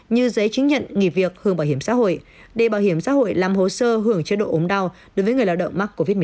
như giấy chứng nhận nghỉ việc hưởng bảo hiểm xã hội đề bảo hiểm xã hội làm hồ sơ hưởng chế độ ốm đau đối với người lao động mắc covid một mươi chín